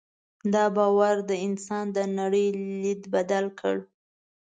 دا باور د انسان د نړۍ لید بدل کړ.